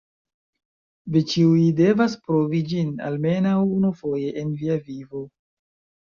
Vi ĉiuj devas provi ĝin, almenaŭ unufoje en via vivo.